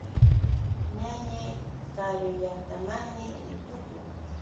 Ñañaa karu llaqtamanmi ripukun.